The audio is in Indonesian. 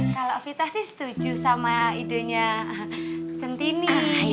kalau vita sih setuju sama idenya centini